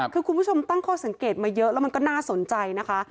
คือคุณผู้ชมตั้งข้อสังเกตมาเยอะแล้วมันก็น่าสนใจนะคะ